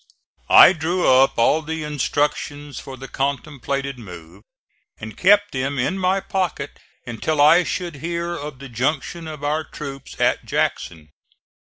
I drew up all the instructions for the contemplated move, and kept them in my pocket until I should hear of the junction of our troops at Jackson.